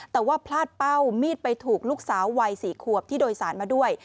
แต่ว่าพลาดเป้ามีดไปถูกลูกสาววัย๔ขวบที่โดยสารมาด้วย